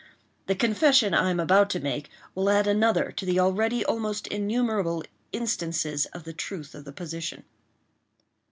The confession I am about to make will add another to the already almost innumerable instances of the truth of the position.